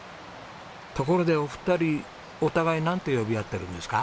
ところでお二人お互いなんて呼び合ってるんですか？